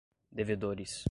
devedores